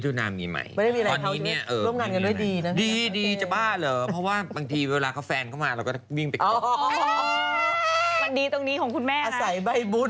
คือจริงเนี่ยเขาเลิกเอาผมลงมาปิดเนี่ย